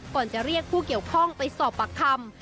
ก่อนจะเรียกผู้เกี่ยวข้องไปสอบปากคำ